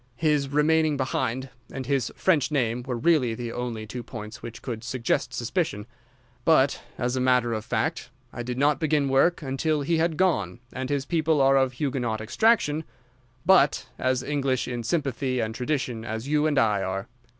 His remaining behind and his French name were really the only two points which could suggest suspicion; but, as a matter of fact, I did not begin work until he had gone, and his people are of Huguenot extraction, but as English in sympathy and tradition as you and I are.